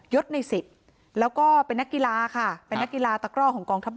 ศใน๑๐แล้วก็เป็นนักกีฬาค่ะเป็นนักกีฬาตะกร่อของกองทัพบ